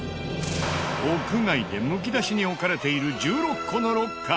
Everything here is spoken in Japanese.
屋外でむき出しに置かれている１６個のロッカー。